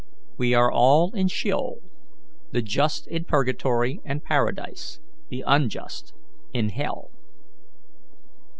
We are all in sheol the just in purgatory and paradise, the unjust in hell."